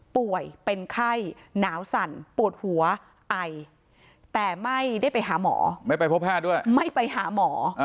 ป่วยเป็นไข้หนาวสั่นปวดหัวไอแต่ไม่ได้ไปหาหมอไม่ไปพบแพทย์ด้วยไม่ไปหาหมอ